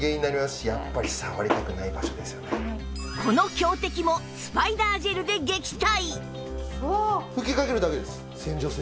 この強敵もスパイダージェルで撃退！